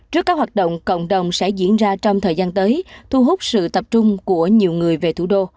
trước các hoạt động cộng đồng sẽ diễn ra trong thời gian tới thu hút sự tập trung của nhiều người về thủ đô